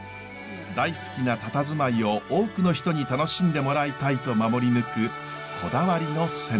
大好きなたたずまいを多くの人に楽しんでもらいたいと守り抜くこだわりの銭湯。